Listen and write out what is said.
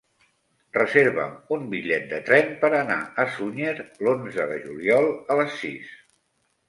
Reserva'm un bitllet de tren per anar a Sunyer l'onze de juliol a les sis.